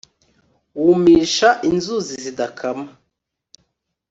wumisha inzuzi zidakama